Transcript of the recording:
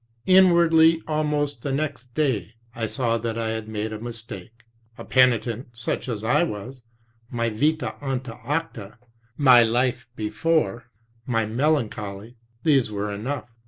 "Inwardly, almost the next day, I saw that I had made a mistake. A penitent such as I was, my mta anta acta, my melancholy, these were enough.